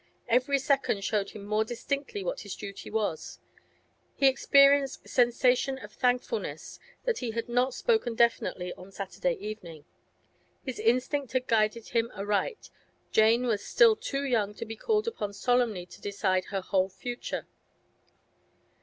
Every second showed him more distinctly what his duty was. He experienced a sensation of thankfulness that he had not spoken definitely on Saturday evening. His instinct had guided him aright; Jane was still too young to be called upon solemnly to decide her whole future.